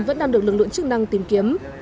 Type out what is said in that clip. vẫn đang được lực lượng chức năng tìm kiếm